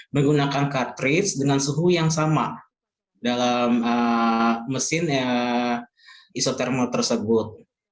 menggunakan cartridge dengan suhu yang sama dalam mesin isotermal tersebut